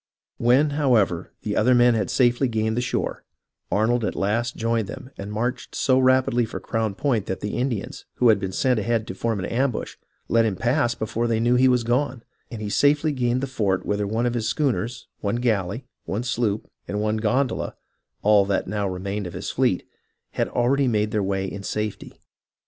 When, however, the other men had safely gained the shore, Arnold at last joined them and marched so rapidly for Crown Point that the Indians, who had been sent ahead to form an ambush, let him pass before they knew he was gone, and he safely gained the fort whither one of his schooners, one galley, one sloop, and one gondola — all that now remained of his fleet — had already made their way in safety.